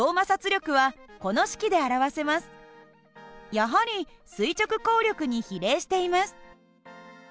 やはり垂直抗力に比例しています。